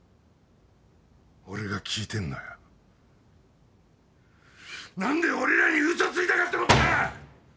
俺が聞いてんのは何で俺らに嘘ついたかってことだ！